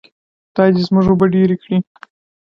خدای دې زموږ اوبه ډیرې کړي.